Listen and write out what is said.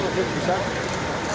untuk bisa seperti solar padat